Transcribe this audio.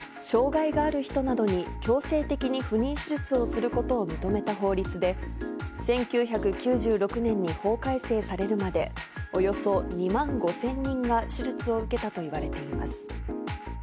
旧優生保護法とは、障がいがある人などに強制的に不妊手術をすることを認めた法律で、１９９６年に法改正されるまで、およそ２万５０００人が手術を受けたといわれています。